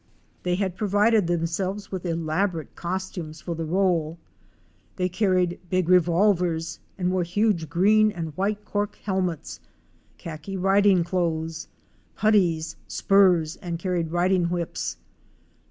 They had provided themselves with elaborate costumes for the réle; they carried big revolvers and wore huge green and white cork helmets, khaki riding clothes, puttees, spurs, and carried riding whips.